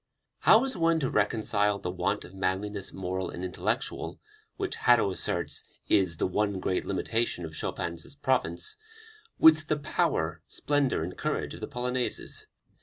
How is one to reconcile "the want of manliness, moral and intellectual," which Hadow asserts is "the one great limitation of Chopin's province," with the power, splendor and courage of the Polonaises?